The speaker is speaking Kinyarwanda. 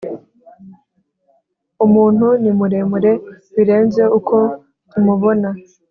umuntu ni muremure birenze uko tumubona